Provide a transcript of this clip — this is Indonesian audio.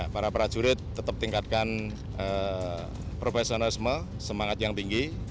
para prajurit tetap tingkatkan profesionalisme semangat yang tinggi